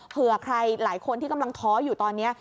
เผื่อใครหลายคนที่กำลังท้ออยู่ตอนนี้